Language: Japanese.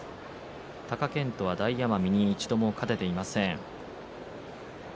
貴健斗は大奄美に一度も勝てていません。